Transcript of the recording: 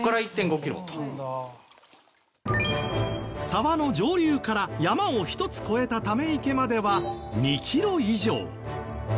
沢の上流から山を１つ越えたため池までは２キロ以上。